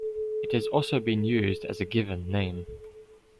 It has also been used as a given name.